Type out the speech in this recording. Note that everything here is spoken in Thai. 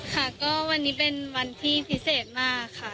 ค่ะก็วันนี้เป็นวันที่พิเศษมากค่ะ